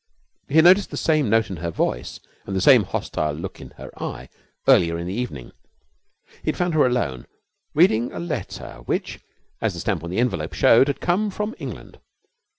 He had noticed the same note in her voice and the same hostile look in her eye earlier in the evening. He had found her alone, reading a letter which, as the stamp on the envelope showed, had come from England.